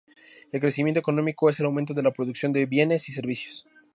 El crecimiento económico es el aumento de la producción de bienes y servicios.